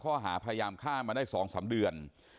ข้อหาพยายามฆ่ามาได้๒๓เดือน